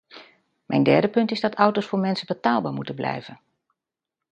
Mijn derde punt is dat auto's voor mensen betaalbaar moeten blijven.